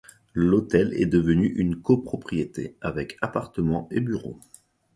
L'hôtel est devenu une copropriété, avec appartements et bureaux.